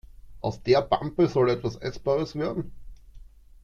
Aus der Pampe soll etwas Essbares werden?